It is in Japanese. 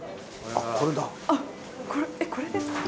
えっこれですか？